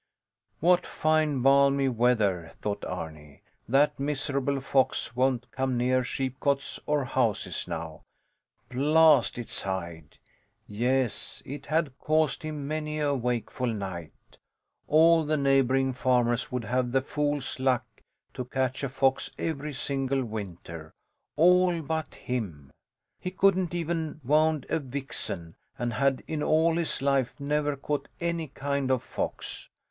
What fine balmy weather, thought Arni. That miserable fox won't come near sheepcotes or houses now. Blast its hide! Yes, it had caused him many a wakeful night. All the neighbouring farmers would have the fool's luck to catch a fox every single winter. All but him. He couldn't even wound a vixen, and had in all his life never caught any kind of fox.